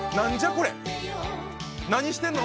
これ何してんの？